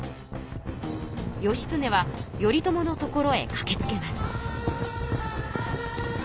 義経は頼朝の所へかけつけます。